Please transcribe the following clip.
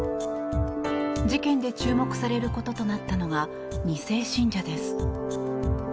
事件で注目されることとなったのが２世信者です。